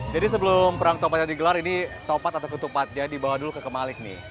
jadi sebelum perang tupat yang digelar ini tupat atau ke tupat dibawa dulu ke kemalik nih